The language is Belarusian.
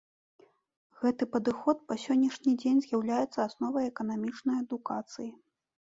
Гэты падыход па сённяшні дзень з'яўляецца асновай эканамічнай адукацыі.